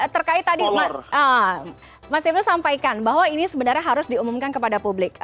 terkait tadi mas ibnu sampaikan bahwa ini sebenarnya harus diumumkan kepada publik